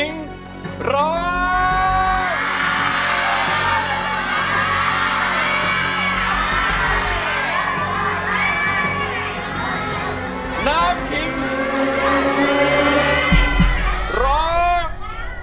น้ำคิงร้อง